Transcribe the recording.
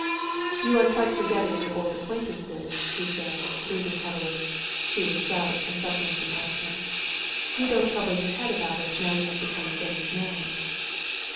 "You are quite forgetting your old acquaintances," said she, breathing heavily (she was stout and suffered from asthma). "You don't trouble your head about us now you have become a famous man."